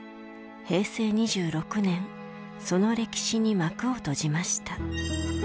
平成２６年その歴史に幕を閉じました。